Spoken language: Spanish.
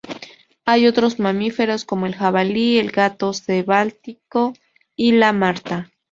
Hay otros mamíferos, como el jabalí, el gato selvático y la marta.